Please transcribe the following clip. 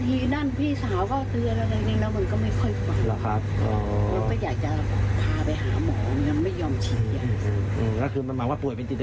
แต่ตอนนี้จะบอกว่าถ้าเกิดมีอะไรอีกนะ